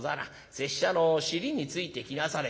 拙者の尻についてきなされ」。